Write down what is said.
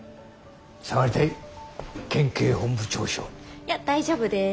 いや大丈夫です。